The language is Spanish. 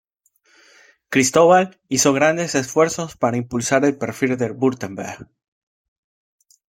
Cristóbal hizo grandes esfuerzos para impulsar el perfil de Wurtemberg.